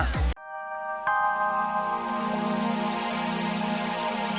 aku ingin tahu